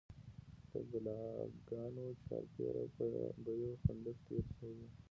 د کلاګانو چارپیره به یو خندق تیر شوی و.